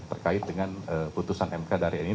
terkait dengan putusan mk dari ini